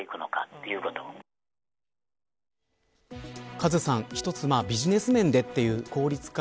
カズさん、一つビジネス面でという効率化